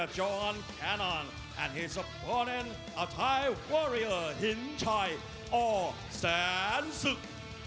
จอห์นแคนนอนและเขาเชื่อมฮินชัยอ๋อแสนสุก